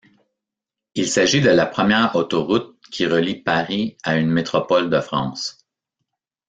Il s'agit de la première autoroute qui relie Paris à une métropole de France.